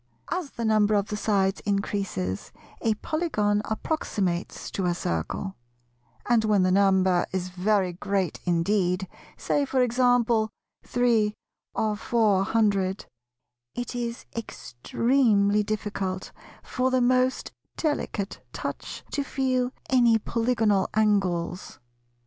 As the number of the sides increases, a Polygon approximates to a Circle; and, when the number is very great indeed, say for example three or four hundred, it is extremely difficult for the most delicate touch to feel any polygonal angles.